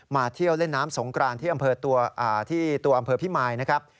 มาเที่ยวเล่นน้ำสงกรานที่อำเภอพิมายนะครับ